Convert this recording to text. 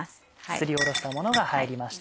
すりおろしたものが入りました。